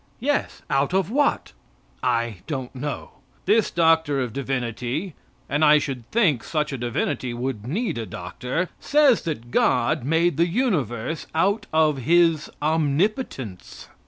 Yes; out of what? I don't know. This doctor of divinity, and I should think such a divinity would need a doctor, says that God made the universe out of His omnipotence.